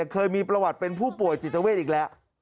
เคยมีประวัติเป็นผู้ป่วยจิตเวทอีกแล้ว